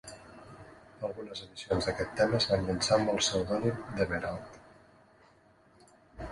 Algunes edicions d'aquest tema es van llançar amb el pseudònim d'Emerald.